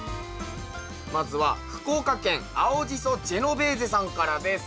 まずは福岡県アオジソジェノベーゼさんからです。